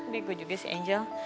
bego juga si angel